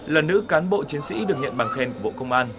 là nữ cán bộ chiến sĩ được nhận bằng khen của bộ công an